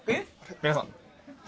・皆さん。